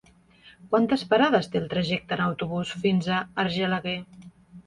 Quantes parades té el trajecte en autobús fins a Argelaguer?